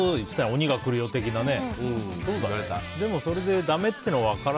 鬼が来るよ的なね。